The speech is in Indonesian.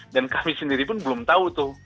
kami sendiri pun belum tahu tuh